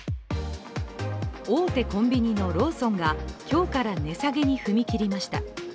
大手コンビニのローソンが今日から値下げに踏み切りました。